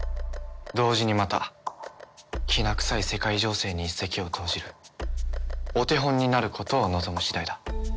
同時にまたきな臭い世界情勢に一石を投じるお手本になることを望む次第だ。